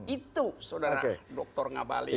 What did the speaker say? itu saudara dokter ngabalin